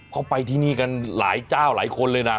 เขาไปที่นี่กันหลายเจ้าหลายคนเลยนะ